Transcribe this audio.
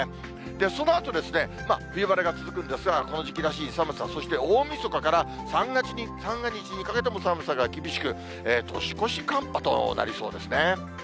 そのあと、冬晴れが続くんですが、この時期らしい寒さ、そして大みそかから三が日にかけても寒さが厳しく、年越し寒波となりそうですね。